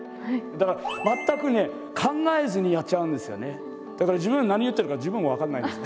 だから自分何言ってるか自分も分かんないんです。